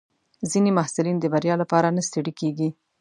ځینې محصلین د بریا لپاره نه ستړي کېږي.